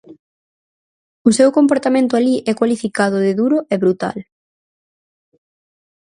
O seu comportamento alí é cualificado de duro e brutal.